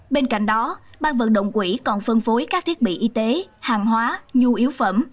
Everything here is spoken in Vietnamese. bên cạnh đó ban vận động quỹ còn phân phối các thiết bị y tế hàng hóa nhu yếu phẩm